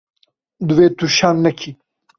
Divê tu şerm nekî.